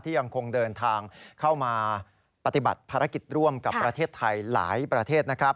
ยังคงเดินทางเข้ามาปฏิบัติภารกิจร่วมกับประเทศไทยหลายประเทศนะครับ